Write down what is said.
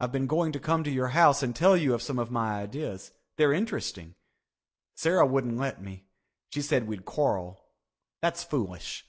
I've been going to come to your house and tell you of some of my ideas. They're interesting. Sarah wouldn't let me. She said we'd quarrel. That's foolish."